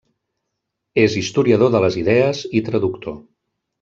És historiador de les idees i traductor.